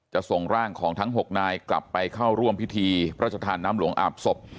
ส่งร่างของทั้ง๖นายกลับไปเข้าร่วมพิธีพระชธานน้ำหลวงอาบศพ